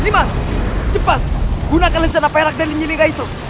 mas cepat gunakan lencana perak dan nyiningga itu